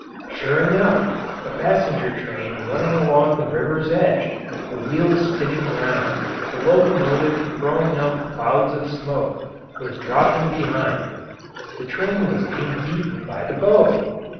] Sure enough, a passenger train running along the river's edge, the wheels spinning round, the locomotive throwing out clouds of smoke, was dropping behind. The train was being beaten by the boat.